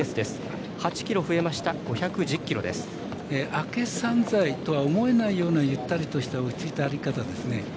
明け３歳とは思えないような、ゆったりとした歩き方ですね。